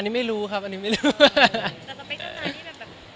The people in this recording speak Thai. อันนี้ไม่รู้ครับอันนี้ไม่รู้ครับ